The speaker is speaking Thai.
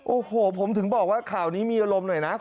โอ้โหผมถึงบอกว่าข่าวนี้มีอารมณ์หน่อยนะ